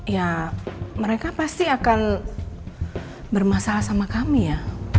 ya mereka pasti akan bermasalah sama kami ya